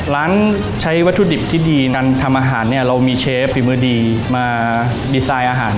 ร้านใช้วัตถุดิบที่ดีการทำอาหารเนี่ยเรามีเชฟฝีมือดีมาดีไซน์อาหาร